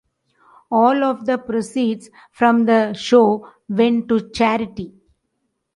All of the proceeds from the show went to charity.